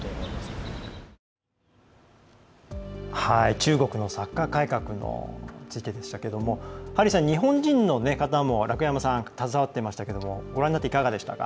中国のサッカー改革についてでしたがハリーさん、日本人の方も楽山さんが携わっていましたがご覧になっていかがでしたか？